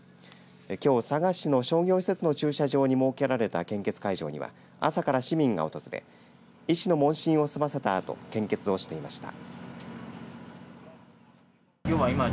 きょう佐賀市の商業施設の駐車場に設けられた献血会場には朝から市民が訪れ医師の問診を済ませたあと献血をしていました。